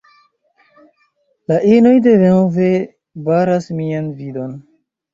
La inoj denove baras mian vidon